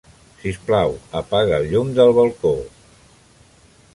Sisplau, apaga el llum del balcó.